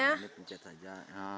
ya ini pencet saja